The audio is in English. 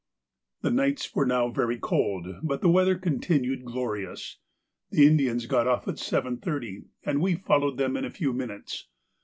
_—The nights were now very cold, but the weather continued glorious. The Indians got off at 7.30, and we followed them in a few minutes.